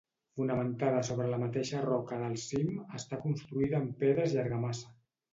Fonamentada sobre la mateixa roca del cim, està construïda amb pedres i argamassa.